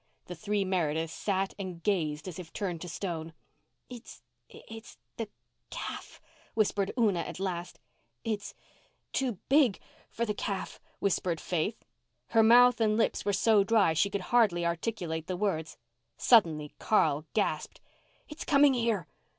The three Merediths sat and gazed as if turned to stone. "It's—it's the—calf," whispered Una at last. "It's—too—big—for the calf," whispered Faith. Her mouth and lips were so dry she could hardly articulate the words. Suddenly Carl gasped, "It's coming here."